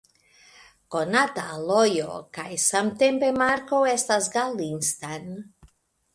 Konata alojo kaj samtempe marko estas "Galinstan".